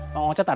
mang ocat ada